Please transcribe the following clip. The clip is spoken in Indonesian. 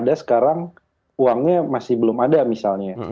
ada sekarang uangnya masih belum ada misalnya